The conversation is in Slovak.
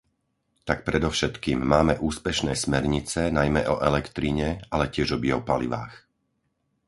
Tak predovšetkým, máme úspešné smernice, najmä o elektrine, ale tiež o biopalivách.